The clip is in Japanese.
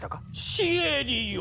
シエリよ！